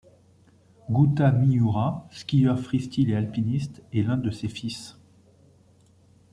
Gouta Miura, skieur freestyle et alpiniste, est l'un de ses fils.